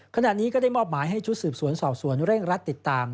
ขณะนี้ก็ได้มอบหมายให้ชุดสืบสวนสอบสวนเร่งรัดติดตาม